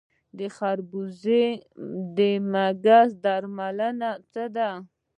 د خربوزې د مګس درملنه څه ده؟